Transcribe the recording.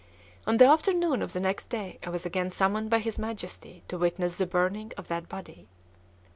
On the afternoon of the next day I was again summoned by his Majesty to witness the burning of that body.